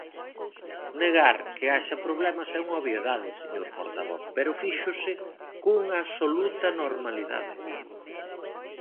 Negar que haxa problemas é unha obviedade, señor portavoz, pero fíxose cunha absoluta normalidade.